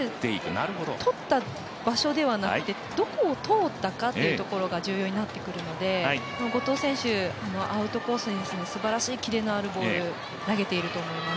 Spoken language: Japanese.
とった場所ではなくてどこを通ったかというところが重要になってくるので後藤選手、アウトコースにするすばらしいキレのあるボールを投げていると思います。